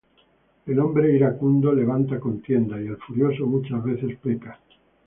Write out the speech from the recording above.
El hombre iracundo levanta contiendas; Y el furioso muchas veces peca.